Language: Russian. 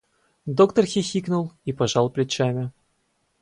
Доктор хихикнул и пожал плечами.